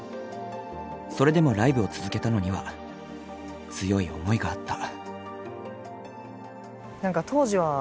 それでもライブを続けたのには強い思いがあった。